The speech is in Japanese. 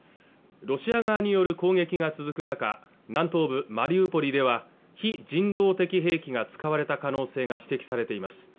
ロシア側による攻撃が続く中南東部マリウポリでは非人道的兵器が使われた可能性が指摘されています